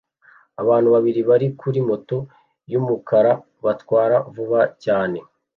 Abantu babiri bari kuri moto yumukara batwara vuba cyane